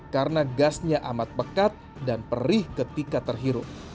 karena gasnya amat pekat dan perih ketika terhirup